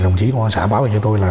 đồng chí của xã báo cho tôi là